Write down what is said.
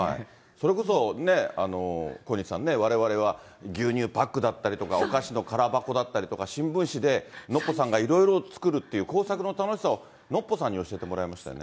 それこそね、小西さんね、われわれは牛乳パックだったり、お菓子の空箱だったりとか、新聞紙でノッポさんがいろいろ作るっていう、工作の楽しさをノッポさんに教えてもらいましたよね。